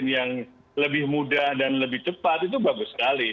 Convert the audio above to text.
untuk mengembangkan vaksin yang lebih mudah dan lebih cepat itu bagus sekali